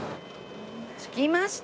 着きました！